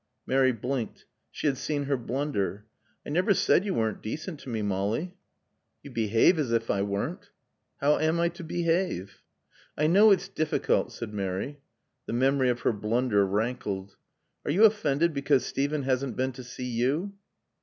Mary blinked. She had seen her blunder. "I never said you weren't decent to me, Molly." "You behave as if I weren't." "How am I to behave?" "I know it's difficult," said Mary. The memory of her blunder rankled. "Are you offended because Steven hasn't been to see you?"